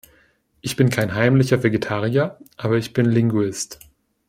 Ich bin kein heimlicher Vegetarier, aber ich bin Linguist.